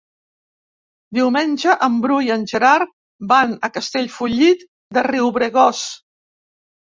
Diumenge en Bru i en Gerard van a Castellfollit de Riubregós.